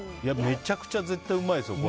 めちゃくちゃ絶対うまいですよ。